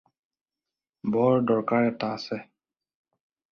বৰ দৰকাৰ এটা আছে।